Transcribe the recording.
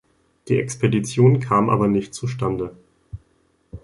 Die Expedition kam aber nicht zustande.